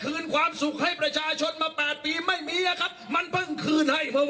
เก็บความสุขไว้ไม่ไหว